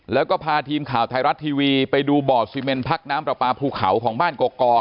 แล้วก็พาทีมข่าวไทยรัฐทีวีไปดูบ่อซีเมนพักน้ำปลาปลาภูเขาของบ้านกอก